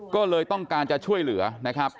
ก็เลยต้องการจะช่วยเหลือนะครับ